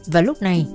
và lúc này